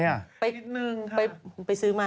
ไปซื้อมา